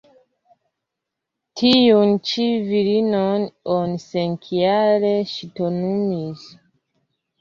Tiun ĉi virinon oni senkiale ŝtonumis.